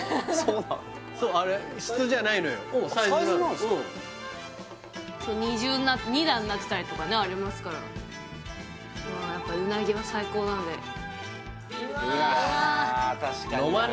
うんそう二重に二段になってたりとかねありますからやっぱうなぎは最高なんでうわ